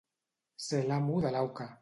Ser l'amo de l'auca.